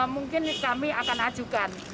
mungkin kami akan ajukan